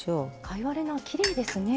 貝割れがきれいですね